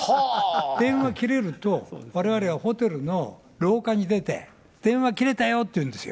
電話切れると、われわれはホテルの廊下に出て、電話切れたよって言うんですよ。